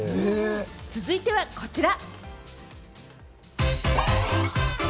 続いてはこちら。